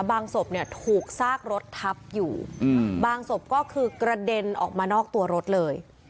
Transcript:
ศพเนี่ยถูกซากรถทับอยู่บางศพก็คือกระเด็นออกมานอกตัวรถเลย